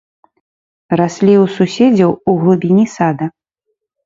Раслі ў суседзяў у глыбіні сада.